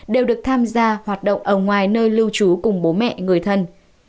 đều được tham gia hoạt động ở ngoài nơi lưu trú cùng bố mẹ người thân